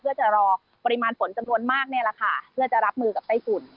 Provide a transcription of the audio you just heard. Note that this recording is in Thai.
เพื่อจะรอปริมาณฝนจำนวนมากนี่แหละค่ะเพื่อจะรับมือกับไต้ฝุ่น